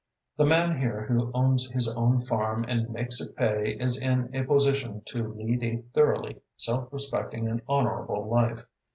The man here who owns his own farm and makes it pay is in a position to lead a thoroughly self respecting and honourable life.